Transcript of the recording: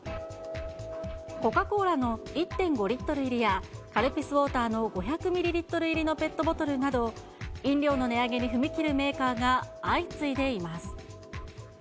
コカ・コーラの１．５リットル入りや、カルピスウォーターの５００ミリリットル入りのペットボトルなど、飲料の値上げに踏み切るメーカーが相次いでいます。